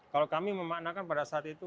kalau kami memaknakan pada saat itu